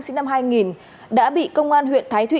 sinh năm hai nghìn đã bị công an huyện thái thụy